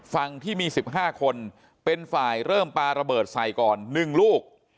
ฝั่งที่มี๑๕คนเป็นฝ่ายเริ่มปลาระเบิดใส่ก่อน๑ลูก